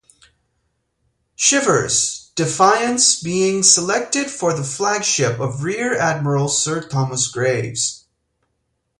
Shivers, "Defiance" being selected for the flagship of Rear Admiral Sir Thomas Graves.